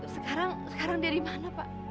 sekarang dia dimana pak